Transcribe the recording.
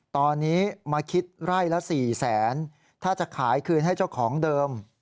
ตอนนี้มาคิดไร่ละ๔แสนถ้าจะขายคืนให้เจ้าของเดิม